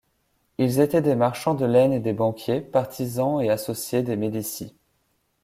Ils étaient des marchands de laine et des banquiers, partisans est associés des Médicis.